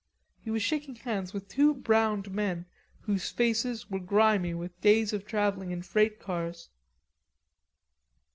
He was shaking hands with two browned men whose faces were grimy with days of travelling in freight cars.